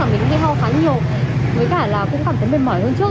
do khá nhiều với cả là cũng cảm thấy mệt mỏi hơn trước